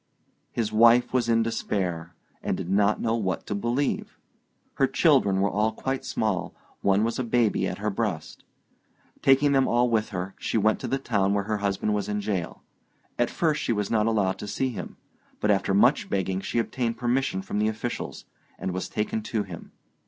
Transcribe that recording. His wife was in despair, and did not know what to believe. Her children were all quite small; one was a baby at her breast. Taking them all with her, she went to the town where her husband was in jail. At first she was not allowed to see him; but after much begging, she obtained permission from the officials, and was taken to him.